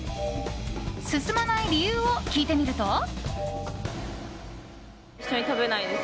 進まない理由を聞いてみると。